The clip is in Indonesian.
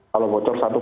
kalau bocor satu